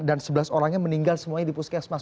sebelas orangnya meninggal semuanya di puskesmas